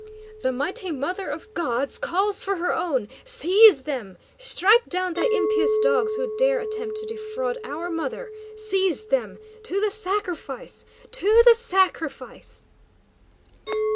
"The mighty Mother of Gods calls for her own! Seize them! Strike down the impious dogs who dare attempt to defraud our Mother! Seize them! To the sacrifice to the sacrifice!"